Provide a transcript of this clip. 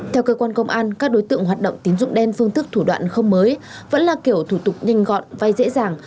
theo cơ quan công an các đối tượng hoạt động tín dụng đen phương thức thủ đoạn không mới vẫn là kiểu thủ tục nhanh gọn vay dễ dàng